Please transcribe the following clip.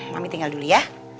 mami tinggal dulu ya